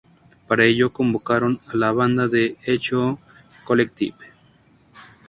Para ello convocaron a la banda The Echo Collective.